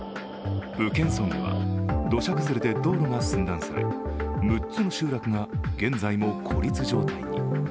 宇検村では土砂崩れで道路が寸断され６つの集落が現在も孤立状態に。